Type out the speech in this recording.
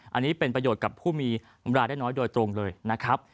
อันนี้เป็นประโยชน์กับผู้มีเวลาได้น้อยโดยตรงเลยนะครับ